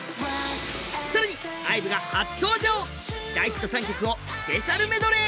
更に、ＩＶＥが初登場、大ヒット３曲をスペシャルメドレー。